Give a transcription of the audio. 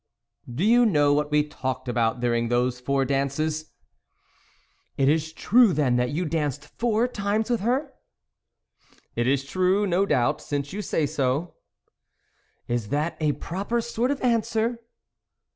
" Do you know what we talked about during those four dances." " It is true then, that you danced four times with her ?"" It is true, no doubt, since you say so." " Is that a proper sort of answer